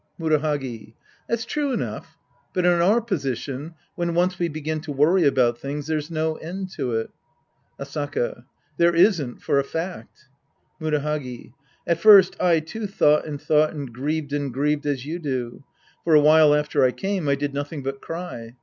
Murahagi. That's true enough. But in our posi tion, when once we begin to worry about things, there's no end to it. Asaka. There isn't, for a fact. Murahagi. At first I, too, thought and thought and grieved and grieved as you do. For a while after I came, I did nothing but cry.